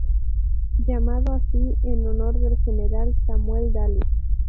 Llamado así en honor del General Samuel Dale.